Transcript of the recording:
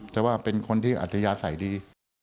แต่ว่าเป็นคนที่อัธยาศัยดี